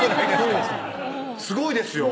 すごいですよ